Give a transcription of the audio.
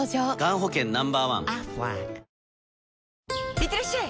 いってらっしゃい！